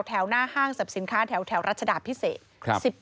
แถวหน้าห้างศัพท์สินค้าแถวรัชดาพิเศษ